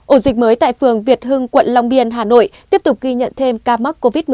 ổ dịch mới tại phường việt hưng quận long biên hà nội tiếp tục ghi nhận thêm ca mắc covid một mươi chín